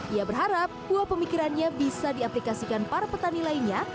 ia berharap buah pemikirannya bisa diaplikasikan para petani lainnya